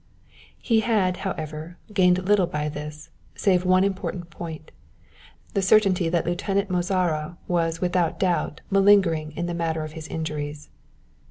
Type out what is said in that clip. He had, however, gained little by this, save one important point, the certainty that Lieutenant Mozara was, without doubt, malingering in the matter of his injuries.